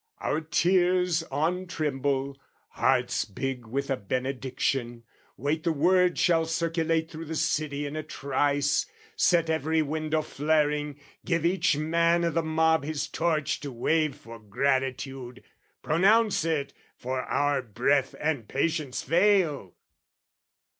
Our tears on tremble, hearts "Big with a benediction, wait the word "Shall circulate thro' the city in a trice, "Set every window flaring, give each man "O' the mob his torch to wave for gratitude. "Pronounce it, for our breath and patience fail!"